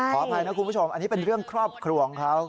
ขออภัยนะคุณผู้ชมอันนี้เป็นเรื่องครอบครัวของเขา